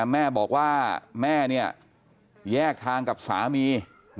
แม่บอกว่าแม่แยกทางกับสามี